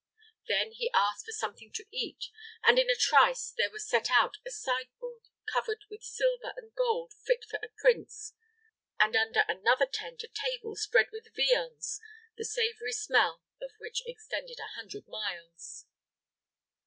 Then he asked for something to eat, and in a trice there was set out a sideboard covered with silver and gold fit for a prince, and under another tent a table spread with viands, the savory smell of which extended a hundred miles.